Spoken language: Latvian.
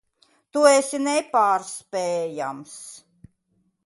Tu esi nepārspējams.